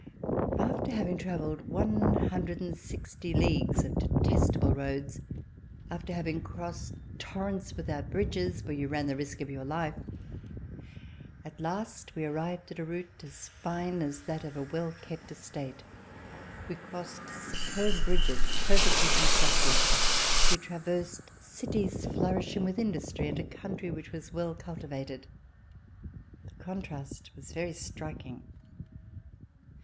After having travelled i6o leagues of detestable roads, after having VISITS TO LANGUEDOC crossed torrents without bridges, where you ran the risk of your Hfe, at last we arrived at a route as fine as that of a well kept estate. We crossed superb bridges perfectly constructed. We traversed cities flourishing with industry and a country which was well cultivated. The contrast was very striking.